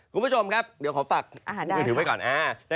คุณผู้ชมครับเดี๋ยวขอฝากมือถือไว้ก่อน